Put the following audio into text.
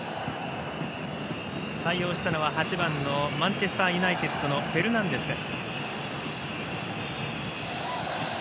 対応したのは８番のマンチェスター・ユナイテッドのフェルナンデスです。